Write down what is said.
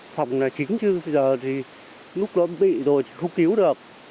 phòng là chính chứ bây giờ thì lúc đó bị rồi thì không cứu được